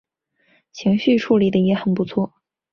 情绪处理的也很不错